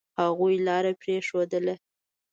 هغوی لار پرېښودله.